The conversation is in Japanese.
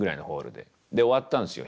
で終わったんですよ。